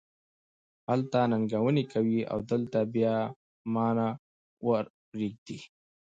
هلته ننګونې کوې او دلته بیا ما نه ور پرېږدې.